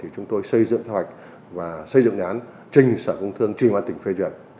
chúng tôi xây dựng kế hoạch và xây dựng nhán trình sở công thương trình hoạt tình phê duyệt